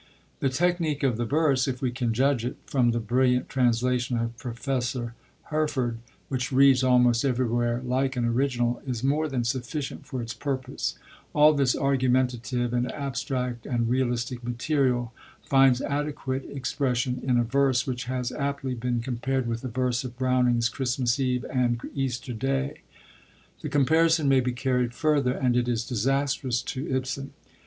The technique of the verse, if we can judge it from the brilliant translation of Professor Herford, which reads almost everywhere like an original, is more than sufficient for its purpose; all this argumentative and abstract and realistic material finds adequate expression in a verse which has aptly been compared with the verse of Browning's Christmas eve and Easter day. The comparison may be carried further, and it is disastrous to Ibsen.